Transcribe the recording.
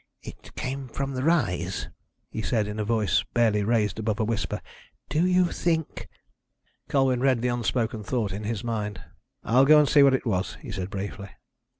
"It came from the rise," he said in a voice barely raised above a whisper. "Do you think " Colwyn read the unspoken thought in his mind. "I'll go and see what it was," he said briefly.